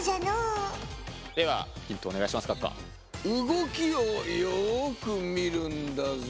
動きをよく見るんだぞ。